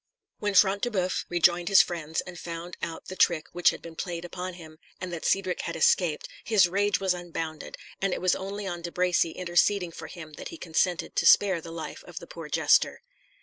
When Front de Boeuf rejoined his friends and found out the trick which had been played upon him, and that Cedric had escaped, his rage was unbounded, and it was only on De Bracy interceding for him that he consented to spare the life of the poor jester.